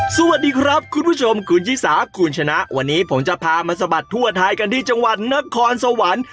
สวัสดีครับคุณผู้ชมคุณชิสาคุณชนะวันนี้ผมจะพามาสะบัดทั่วไทยกันที่จังหวัดนครสวรรค์